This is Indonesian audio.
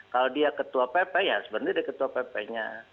kalau dia ketua pp ya sebenarnya dia ketua pp nya